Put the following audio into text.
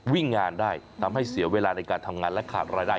วิ่งงานได้ทำให้เสียเวลาในการทำงานและขาดรายได้